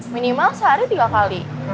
minimal sehari tiga kali